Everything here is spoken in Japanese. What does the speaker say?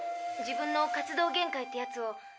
自分の活動限界ってやつを。